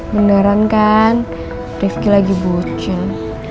beneran kan rifki lagi bucin